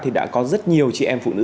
thì đã có rất nhiều chị em phụ nữ